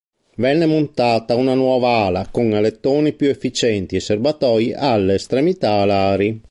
Venne montata una nuova ala con alettoni più efficienti e serbatoi alle estremità alari.